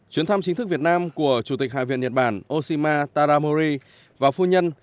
chuyến thăm chính thức việt nam của chủ tịch hạ viện nhật bản oshima taramori và phu nhân